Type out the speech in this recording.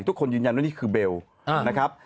ทุกคนยืนยันว่านี่คือเบลนะครับ